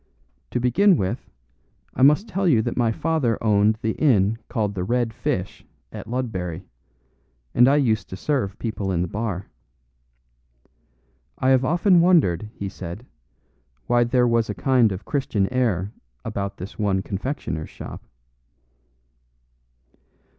"To begin with, I must tell you that my father owned the inn called the 'Red Fish' at Ludbury, and I used to serve people in the bar." "I have often wondered," he said, "why there was a kind of a Christian air about this one confectioner's shop."